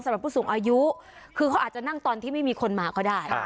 ผู้สูงอายุคือเขาอาจจะนั่งตอนที่ไม่มีคนมาก็ได้